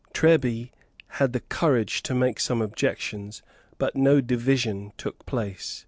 Treby had the courage to make some objections; but no division took place.